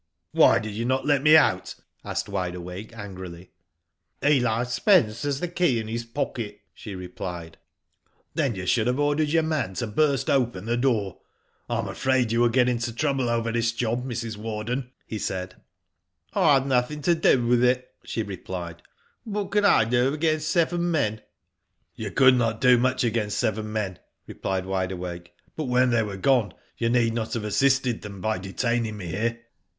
"Why did you not let me out?" asked Wide Awake, angrily. "Eli Spence has the key in his pocket," she replied. M Digitized byGoogk i62 IV//0 DID ITf '* Then you should have ordered your man to burst open the door. I am afraid you will get into trouble over this job, Mrs. Warden," he said. " I had nothing to do with it," she replied *^ What could I do against seven men ?"You could not do much against seven men," replied Wide Awake, " but when they were gone you need not have assisted them by detaining me here.